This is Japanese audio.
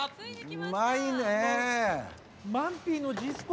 うまいね！